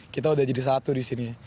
kita udah jadi satu disini